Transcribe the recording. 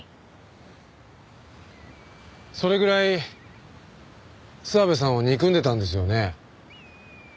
それぐらい諏訪部さんを憎んでたんですよね？